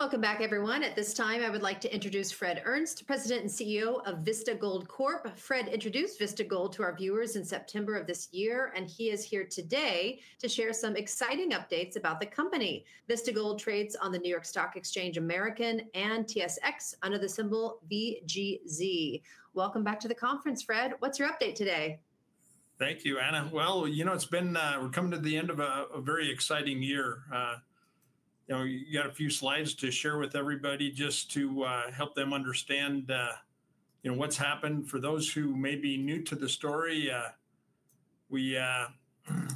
Welcome back, everyone. At this time, I would like to introduce Fred Earnest, President and CEO of Vista Gold Corp. Fred introduced Vista Gold to our viewers in September of this year, and he is here today to share some exciting updates about the company. Vista Gold trades on the New York Stock Exchange American and TSX under the symbol VGZ. Welcome back to the conference, Fred. What's your update today? Thank you, Anna. You know, we're coming to the end of a very exciting year. You know, you got a few slides to share with everybody just to help them understand, you know, what's happened. For those who may be new to the story, we,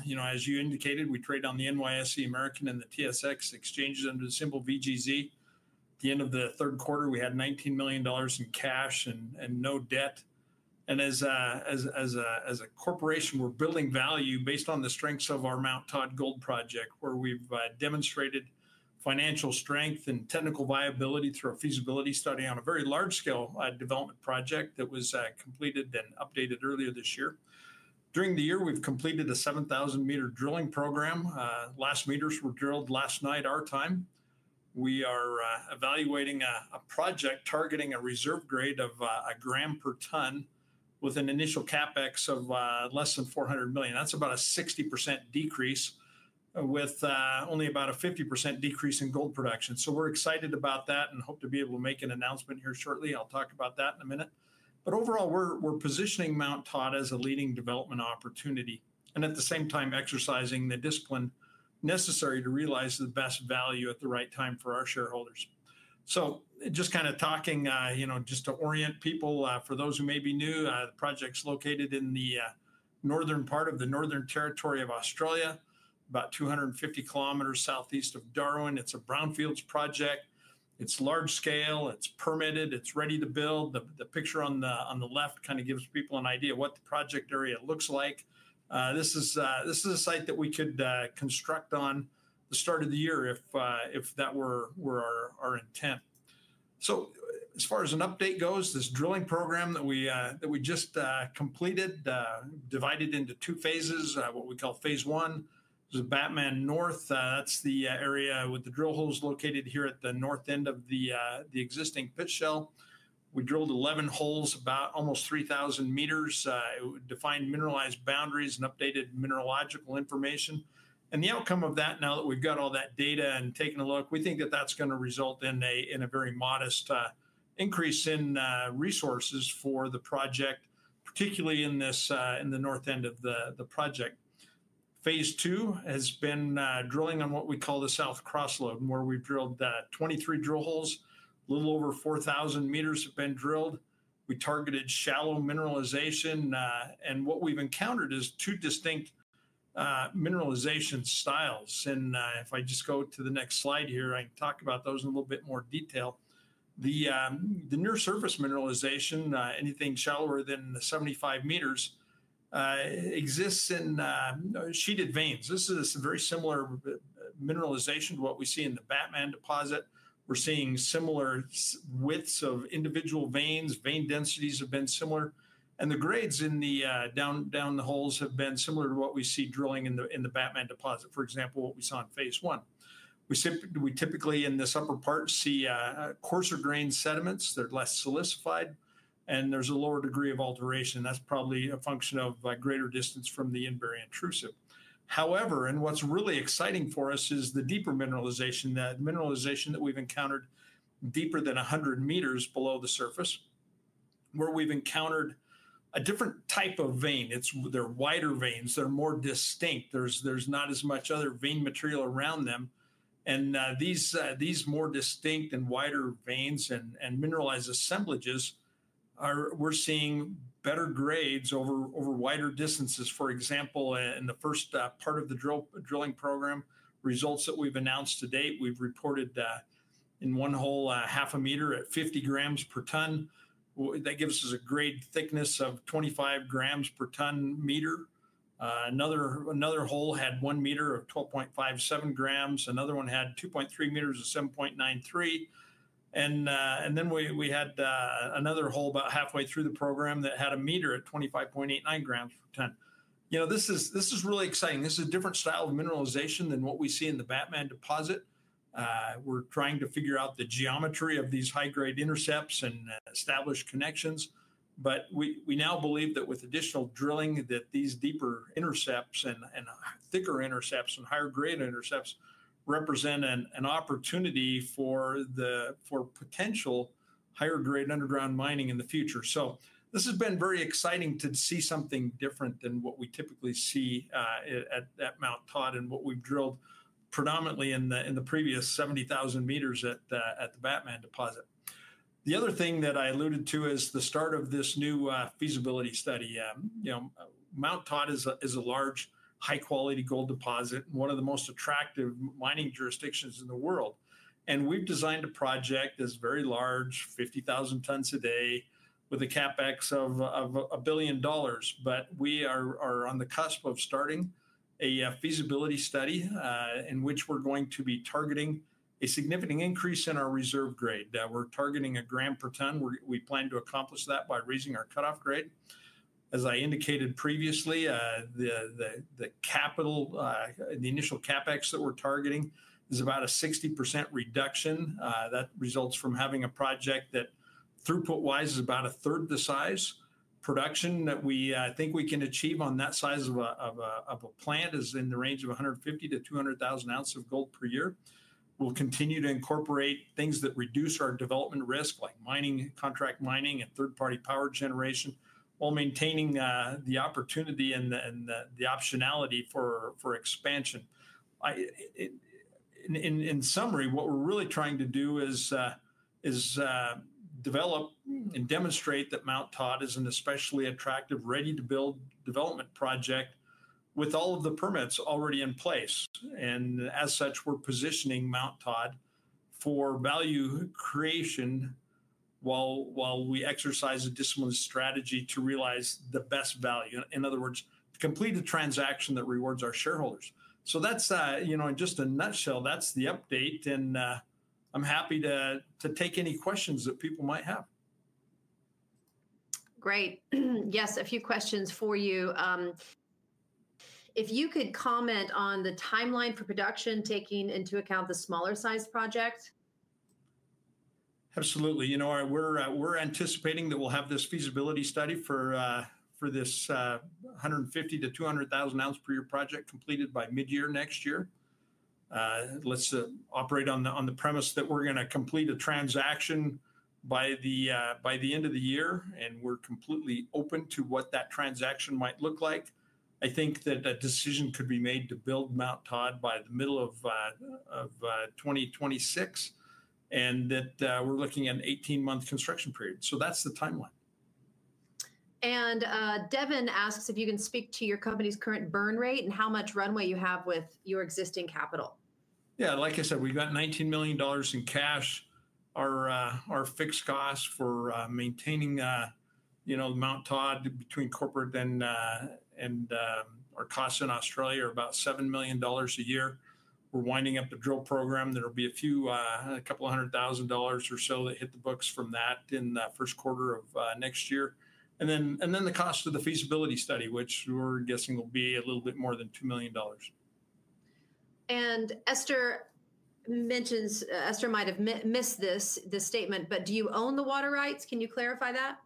you know, as you indicated, we trade on the NYSE American and the TSX exchanges under the symbol VGZ. At the end of the third quarter, we had $19 million in cash and no debt. And as a corporation, we're building value based on the strengths of our Mount Todd Gold project, where we've demonstrated financial strength and technical viability through a feasibility study on a very large-scale development project that was completed and updated earlier this year. During the year, we've completed a 7,000-meter drilling program. Last meters were drilled last night our time. We are evaluating a project targeting a reserve grade of a gram per ton with an initial CapEx of less than $400 million. That's about a 60% decrease, with only about a 50% decrease in gold production. So we're excited about that and hope to be able to make an announcement here shortly. I'll talk about that in a minute. But overall, we're positioning Mount Todd as a leading development opportunity and at the same time exercising the discipline necessary to realize the best value at the right time for our shareholders. So just kind of talking, you know, just to orient people. For those who may be new, the project's located in the northern part of the Northern Territory of Australia, about 250 km southeast of Darwin. It's a brownfield project. It's large-scale. It's permitted. It's ready to build. The picture on the left kind of gives people an idea of what the project area looks like. This is a site that we could construct at the start of the year if that were our intent. So as far as an update goes, this drilling program that we just completed divided into two phases, what we call phase I. It was at Batman North. That's the area with the drill holes located here at the north end of the existing pit shell. We drilled 11 holes, about almost 3,000 meters. It defined mineralized boundaries and updated mineralogical information, and the outcome of that, now that we've got all that data and taken a look, we think that that's going to result in a very modest increase in resources for the project, particularly in the north end of the project. Phase II has been drilling on what we call the Southern Cross Lobe, where we've drilled 23 drill holes. A little over 4,000 meters have been drilled. We targeted shallow mineralization, and what we've encountered is two distinct mineralization styles. And if I just go to the next slide here, I can talk about those in a little bit more detail. The near-surface mineralization, anything shallower than 75 meters, exists in sheeted veins. This is a very similar mineralization to what we see in the Batman Deposit. We're seeing similar widths of individual veins. Vein densities have been similar. And the grades in the downhole have been similar to what we see drilling in the Batman Deposit, for example, what we saw in phase I. We typically, in this upper part, see coarser grain sediments. They're less solidified, and there's a lower degree of alteration. That's probably a function of greater distance from the Yenberrie intrusive. However, and what's really exciting for us is the deeper mineralization, the mineralization that we've encountered deeper than 100 meters below the surface, where we've encountered a different type of vein. They're wider veins. They're more distinct. There's not as much other vein material around them. And these more distinct and wider veins and mineralized assemblages, we're seeing better grades over wider distances. For example, in the first part of the drilling program, results that we've announced to date, we've reported in one hole half a meter at 50 grams per ton. That gives us a grade thickness of 25 grams per ton meter. Another hole had one meter of 12.57 grams. Another one had 2.3 meters of 7.93. And then we had another hole about halfway through the program that had a meter at 25.89 grams per ton. You know, this is really exciting. This is a different style of mineralization than what we see in the Batman Deposit. We're trying to figure out the geometry of these high-grade intercepts and establish connections, but we now believe that with additional drilling, that these deeper intercepts and thicker intercepts and higher-grade intercepts represent an opportunity for potential higher-grade underground mining in the future, so this has been very exciting to see something different than what we typically see at Mount Todd and what we've drilled predominantly in the previous 70,000 meters at the Batman Deposit. The other thing that I alluded to is the start of this new feasibility study. You know, Mount Todd is a large, high-quality gold deposit and one of the most attractive mining jurisdictions in the world, and we've designed a project that's very large, 50,000 tons a day, with a CapEx of $1 billion. But we are on the cusp of starting a feasibility study in which we're going to be targeting a significant increase in our reserve grade. We're targeting a gram per ton. We plan to accomplish that by raising our cutoff grade. As I indicated previously, the initial Capex that we're targeting is about a 60% reduction. That results from having a project that, throughput-wise, is about a third the size. Production that we think we can achieve on that size of a plant is in the range of 150,000 ounces to 200,000 ounces of gold per year. We'll continue to incorporate things that reduce our development risk, like mining, contract mining, and third-party power generation, while maintaining the opportunity and the optionality for expansion. In summary, what we're really trying to do is develop and demonstrate that Mount Todd is an especially attractive, ready-to-build development project with all of the permits already in place. And as such, we're positioning Mount Todd for value creation while we exercise a disciplined strategy to realize the best value. In other words, to complete a transaction that rewards our shareholders. So that's, you know, in just a nutshell, that's the update. And I'm happy to take any questions that people might have. Great. Yes, a few questions for you. If you could comment on the timeline for production taking into account the smaller-sized project. Absolutely. You know, we're anticipating that we'll have this feasibility study for this 150,000 ounces to 200,000 ounces per year project completed by mid-year next year. Let's operate on the premise that we're going to complete a transaction by the end of the year. And we're completely open to what that transaction might look like. I think that a decision could be made to build Mount Todd by the middle of 2026, and that we're looking at an 18-month construction period. So that's the timeline. Devon asks if you can speak to your company's current burn rate and how much runway you have with your existing capital. Yeah, like I said, we've got $19 million in cash. Our fixed costs for maintaining, you know, Mount Todd between corporate and our costs in Australia are about $7 million a year. We're winding up the drill program. There'll be a few, a couple of hundred thousand dollars or so that hit the books from that in the first quarter of next year, and then the cost of the feasibility study, which we're guessing will be a little bit more than $2 million. Esther mentions, Esther might have missed this statement, but do you own the water rights? Can you clarify that?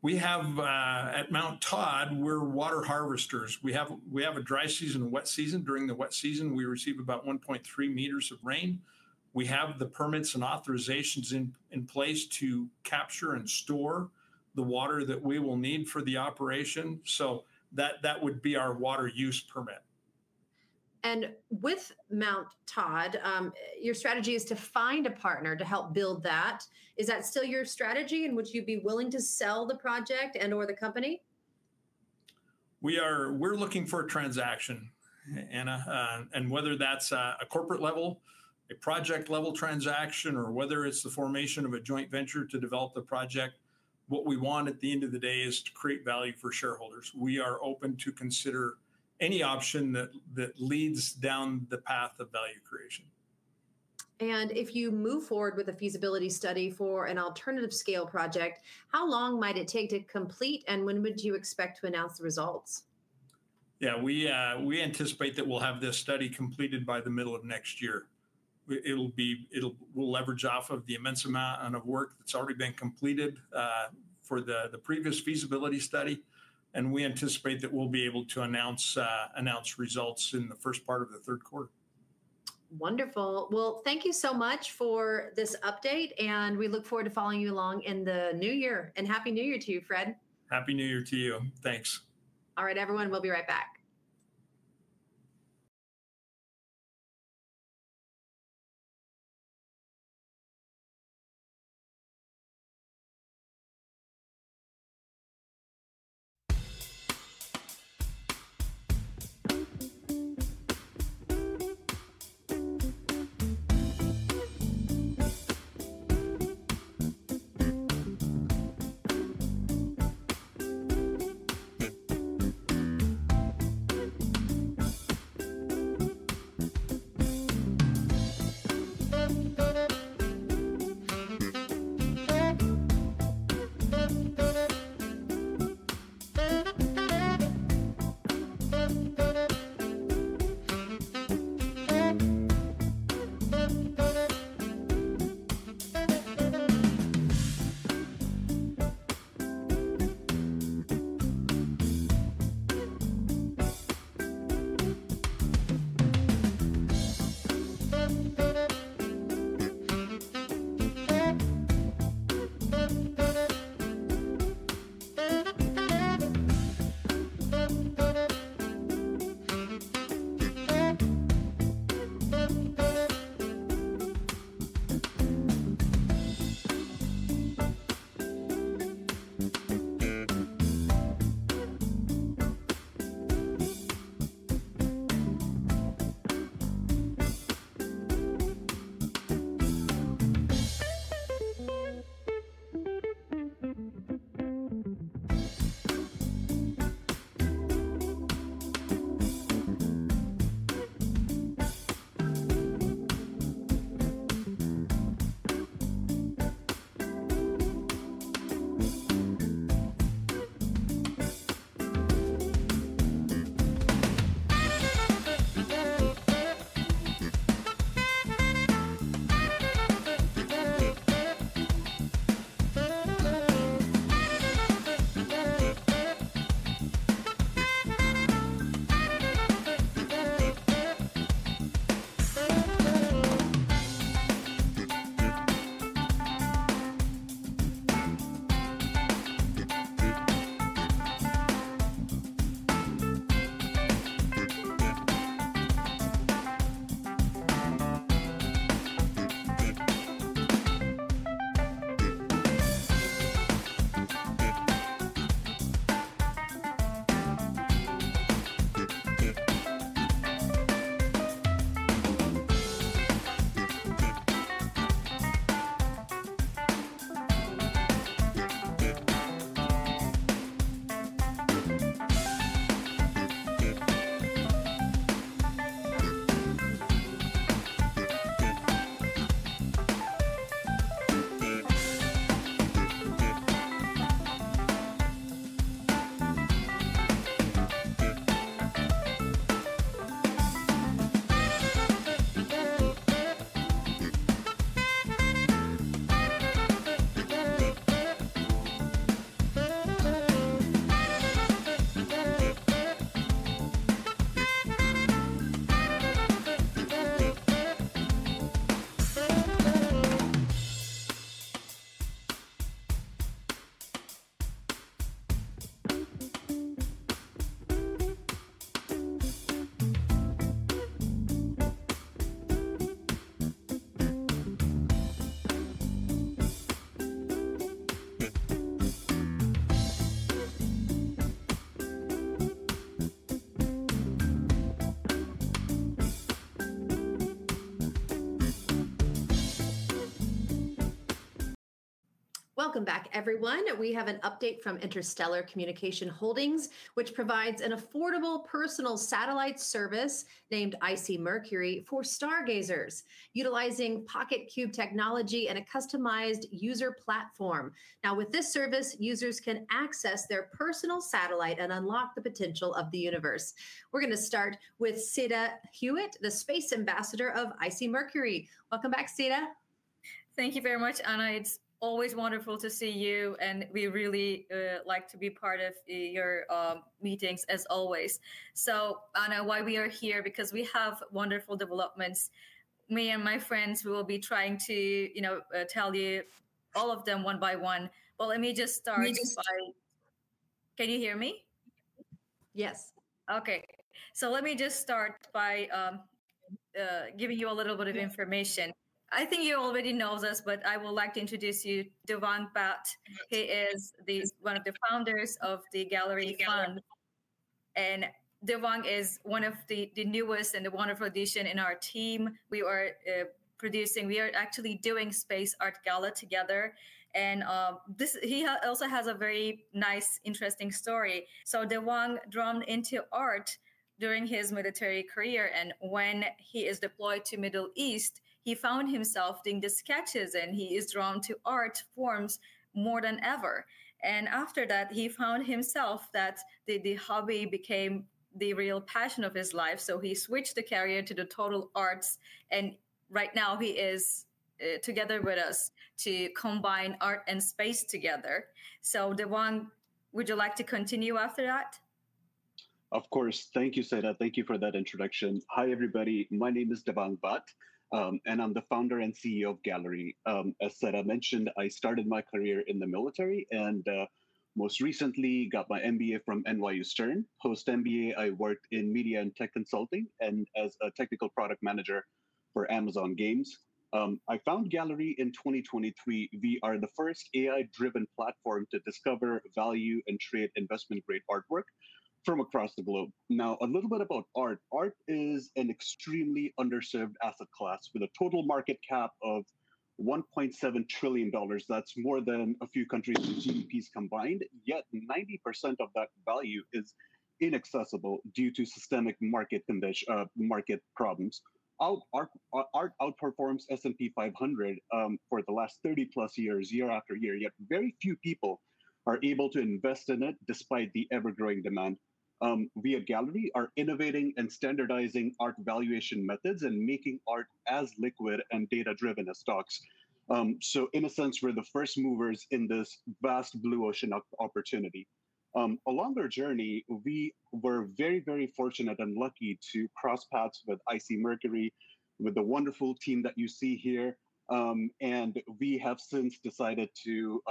We have, at Mount Todd, we're water harvesters. We have a dry season and wet season. During the wet season, we receive about 1.3 meters of rain. We have the permits and authorizations in place to capture and store the water that we will need for the operation. So that would be our water use permit. And with Mount Todd, your strategy is to find a partner to help build that. Is that still your strategy, and would you be willing to sell the project and/or the company? We're looking for a transaction, Anna, and whether that's a corporate-level, a project-level transaction, or whether it's the formation of a joint venture to develop the project, what we want at the end of the day is to create value for shareholders. We are open to consider any option that leads down the path of value creation. If you move forward with a feasibility study for an alternative scale project, how long might it take to complete, and when would you expect to announce the results? Yeah, we anticipate that we'll have this study completed by the middle of next year. We'll leverage off of the immense amount of work that's already been completed for the previous feasibility study. And we anticipate that we'll be able to announce results in the first part of the third quarter. Wonderful. Well, thank you so much for this update. And we look forward to following you along in the new year. And happy New Year to you, Fred. Happy New Year to you. Thanks. All right, everyone. We'll be right back. Welcome back, everyone. We have an update from Interstellar Communication Holdings, which provides an affordable personal satellite service named icMercury for stargazers, utilizing PocketQube technology and a customized user platform. Now, with this service, users can access their personal satellite and unlock the potential of the universe. We're going to start with Seda Hewitt, the space ambassador of icMercury. Welcome back, Seda. Thank you very much, Anna. It's always wonderful to see you, and we really like to be part of your meetings, as always. So, Anna, why we are here? Because we have wonderful developments. Me and my friends, we will be trying to, you know, tell you all of them one by one. But let me just start by. Can you hear me? Yes. Okay. So let me just start by giving you a little bit of information. I think you already know this, but I would like to introduce you to Devang Bhatt. He is one of the founders of the Gallerie Fund, and Devang is one of the newest and the wonderful additions in our team. We are producing, we are actually doing a space art gala together, and he also has a very nice, interesting story. So Devang dove into art during his military career, and when he is deployed to the Middle East, he found himself doing the sketches, and he is drawn to art forms more than ever. And after that, he found himself that the hobby became the real passion of his life, so he switched the career to the total arts, and right now, he is together with us to combine art and space together. So Devang, would you like to continue after that? Of course. Thank you, Seda. Thank you for that introduction. Hi, everybody. My name is Devang Bhatt. And I'm the founder and CEO of Gallerie. As Seda mentioned, I started my career in the military and most recently got my MBA from NYU Stern. Post-MBA, I worked in media and tech consulting and as a technical product manager for Amazon Games. I founded Gallerie in 2023. We are the first AI-driven platform to discover value and create investment-grade artwork from across the globe. Now, a little bit about art. Art is an extremely underserved asset class with a total market cap of $1.7 trillion. That's more than a few countries' GDPs combined. Yet 90% of that value is inaccessible due to systemic market problems. Art outperforms the S&P 500 for the last 30+ years, year-after-year. Yet very few people are able to invest in it despite the ever-growing demand. We at Gallerie are innovating and standardizing art valuation methods and making art as liquid and data-driven as stocks, so in a sense, we're the first movers in this vast blue ocean opportunity. Along our journey, we were very, very fortunate and lucky to cross paths with icMercury, with the wonderful team that you see here, and we have since decided to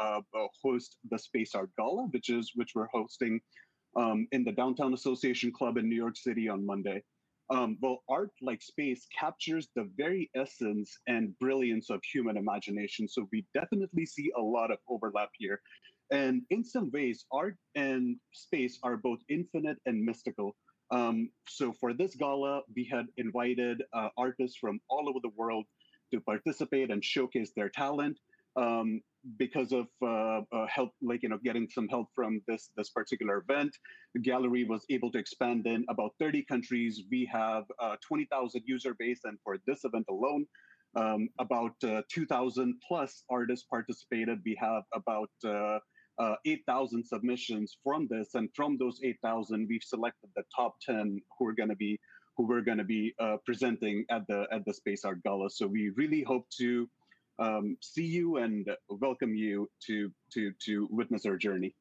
host the space art gala, which we're hosting in the Down Town Association Club in New York City on Monday, well, art, like space, captures the very essence and brilliance of human imagination, so we definitely see a lot of overlap here, and in some ways, art and space are both infinite and mystical, so for this gala, we had invited artists from all over the world to participate and showcase their talent. Because of help, like, you know, getting some help from this particular event, the Gallerie was able to expand in about 30 countries. We have a 20,000 user base. For this event alone, about 2,000+ artists participated. We have about 8,000 submissions from this. From those 8,000, we've selected the top 10 who we're going to be presenting at the space art gala. We really hope to see you and welcome you to witness our journey.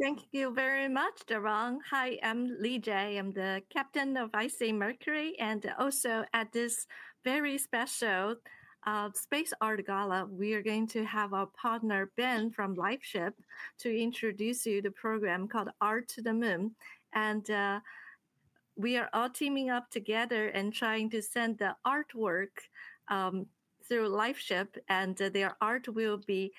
Thank you very much, Devang. Hi, I'm Lijie. I'm the captain of icMercury. And also, at this very special space art gala, we are going to have our partner, Ben, from LifeShip, to introduce you to the program called Art to the Moon. And we are all teaming up together and trying to send the artwork through LifeShip. And their art will be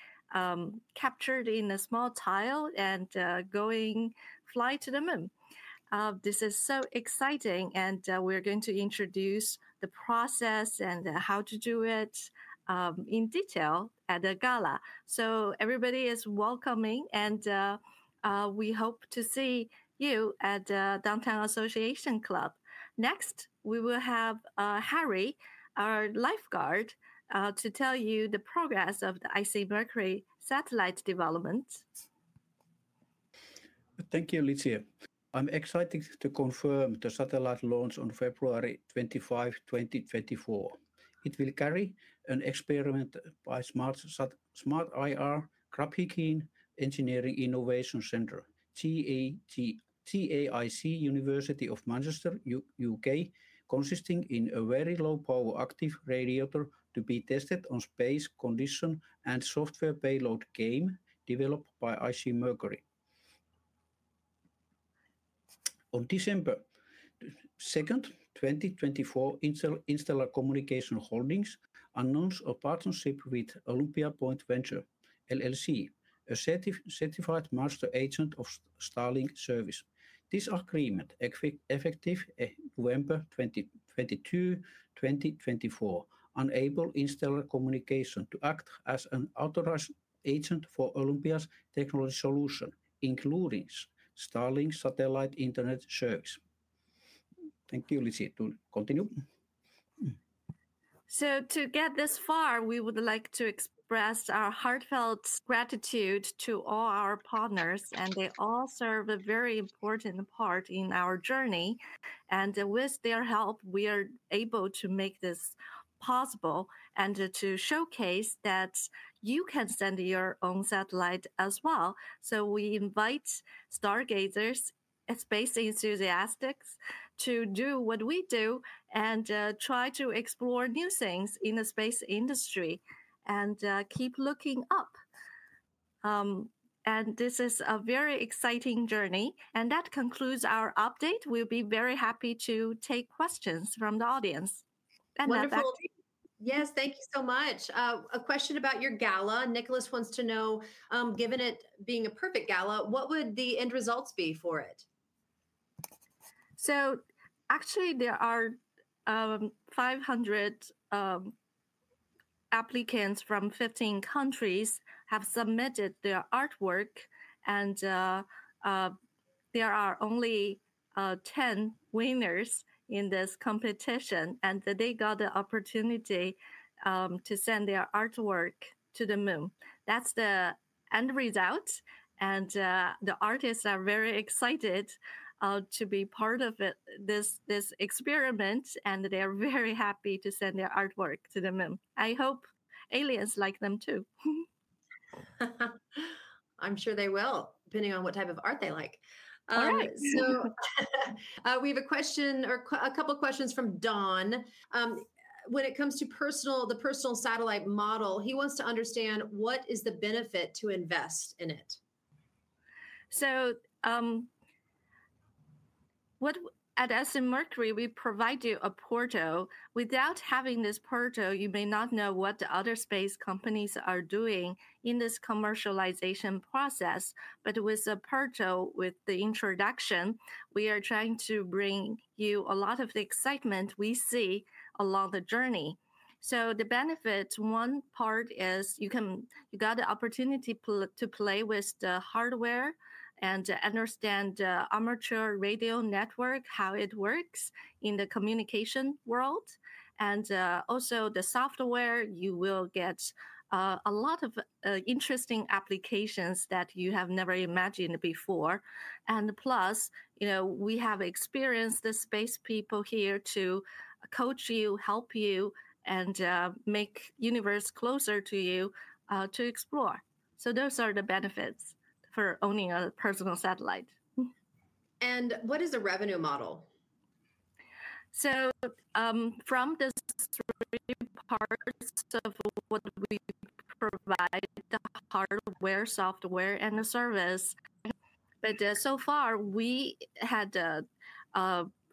captured in a small tile and going fly to the moon. This is so exciting. And we're going to introduce the process and how to do it in detail at the gala. So everybody is welcoming. And we hope to see you at the Down Town Association Club. Next, we will have Harry, our lifeguard, to tell you the progress of the icMercury satellite development. Thank you, Lijie. I'm excited to confirm the satellite launch on February 25, 2024. It will carry an experiment by SmartIR Graphene Engineering Innovation Centre, GEIC, University of Manchester, U.K., consisting of a very low-power active radiator to be tested on space condition and software payload game developed by icMercury. On December 2, 2024, Interstellar Communication Holdings announced a partnership with Olympia Point Ventures LLC, a certified master agent of Starlink service. This agreement effective November 22, 2024, enables Interstellar Communication to act as an authorized agent for Olympia's technology solution, including Starlink satellite internet service. Thank you, Lijie, to continue. To get this far, we would like to express our heartfelt gratitude to all our partners. They all serve a very important part in our journey. With their help, we are able to make this possible and to showcase that you can send your own satellite as well. We invite stargazers and space enthusiasts to do what we do and try to explore new things in the space industry and keep looking up. This is a very exciting journey. That concludes our update. We'll be very happy to take questions from the audience. That's all. Wonderful. Yes, thank you so much. A question about your gala. Nicholas wants to know, given it being a perfect gala, what would the end results be for it? Actually, there are 500 applicants from 15 countries who have submitted their artwork. There are only 10 winners in this competition. They got the opportunity to send their artwork to the moon. That's the end result. The artists are very excited to be part of this experiment. They are very happy to send their artwork to the moon. I hope aliens like them, too. I'm sure they will, depending on what type of art they like. Right. So we have a question or a couple of questions from Dawn. When it comes to the personal satellite model, he wants to understand what is the benefit to invest in it. So at icMercury, we provide you a portal. Without having this portal, you may not know what the other space companies are doing in this commercialization process. But with the portal, with the introduction, we are trying to bring you a lot of the excitement we see along the journey. So the benefit, one part is you got the opportunity to play with the hardware and understand the amateur radio network, how it works in the communication world. And also, the software, you will get a lot of interesting applications that you have never imagined before. And plus, you know, we have experienced the space people here to coach you, help you, and make the universe closer to you to explore. So those are the benefits for owning a personal satellite. What is the revenue model? So from the three parts of what we provide, the hardware, software, and the service, so far, we had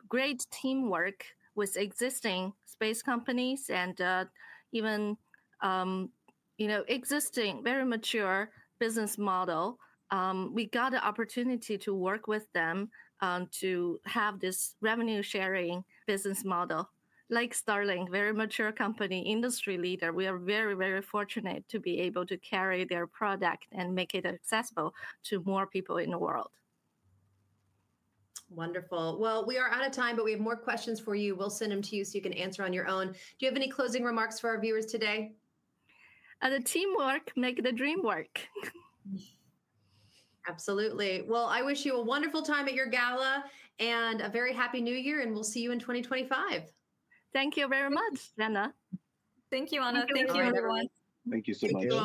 great teamwork with existing space companies and even, you know, existing very mature business models. We got the opportunity to work with them to have this revenue-sharing business model. Like Starlink, a very mature company, industry leader, we are very, very fortunate to be able to carry their product and make it accessible to more people in the world. Wonderful. Well, we are out of time, but we have more questions for you. We'll send them to you so you can answer on your own. Do you have any closing remarks for our viewers today? The teamwork makes the dream work. Absolutely. Well, I wish you a wonderful time at your gala and a very happy New Year. And we'll see you in 2025. Thank you very much, Anna. Thank you, Anna. Thank you, everyone. Thank you so much.